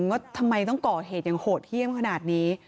ว่าทำไมต้องก่อเหตุอย่างโหดเยี่ยมขนาดนี้